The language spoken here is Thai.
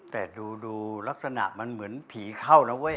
แต่ดูลักษณะมันเหมือนผีเข้านะเว้ย